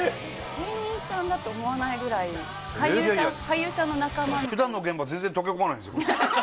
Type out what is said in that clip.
芸人さんだと思わないぐらい俳優さんの仲間普段の現場全然溶け込まないっすよ